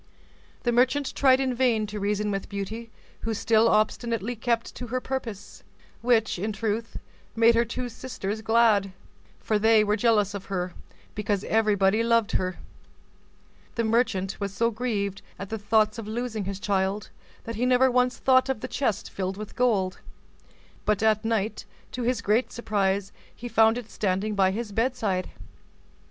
The merchant in vain tried to reason with Beauty who still obstinately kept to her purpose; which, in truth, made her two sisters glad, for they were jealous of her, because everybody loved her. The merchant was so grieved at the thoughts of losing his child, that he never once thought of the chest filled with gold, but at night, to his great surprise, he found it standing by his bedside.